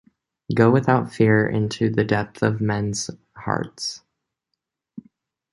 Go without fear into the depth of men's hearts.